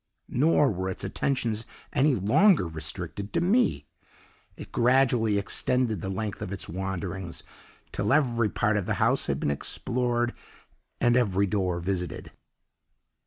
"Nor were its attentions any longer restricted to me; it gradually extended the length of its wanderings till every part of the house had been explored and every door visited.